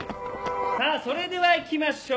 さぁそれではいきましょう！